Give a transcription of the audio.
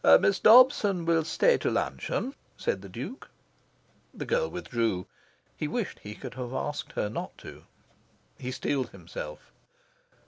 "Miss Dobson will stay to luncheon," said the Duke. The girl withdrew. He wished he could have asked her not to. He steeled himself.